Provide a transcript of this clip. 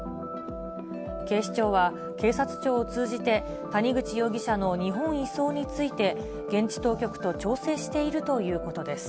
警視庁は、警察庁を通じて、谷口容疑者の日本移送について、現地当局と調整しているということです。